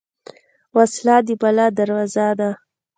وسله د بلا دروازه ده